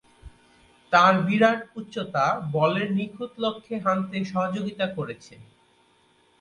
তার বিরাট উচ্চতা বলের নিখুঁত লক্ষ্যে হানতে সহযোগিতা করেছে।